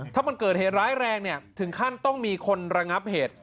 ถ้ามันเกิดเหตุร้ายแรงเนี่ยถึงขั้นต้องมีคนระงับเหตุ